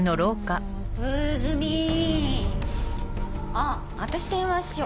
あっ私電話しよ。